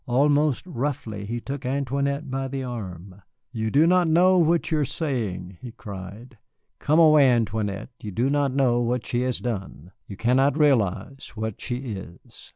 Almost roughly he took Antoinette by the arm. "You do not know what you are saying," he cried. "Come away, Antoinette, you do not know what she has done you cannot realize what she is."